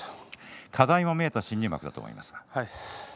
課題も見えた新入幕だと思いますが。